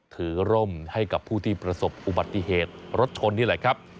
ร่มให้กับผู้ที่ประสบอุบัติเหตุรถชนนี่แหละครับ